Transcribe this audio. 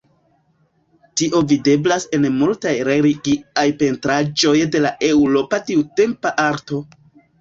Tio videblas en multaj religiaj pentraĵoj de la eŭropa tiutempa arto.